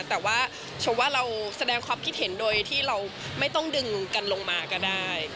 แต่ว่าชมว่าเราแสดงความคิดเห็นโดยที่เราไม่ต้องดึงกันลงมาก็ได้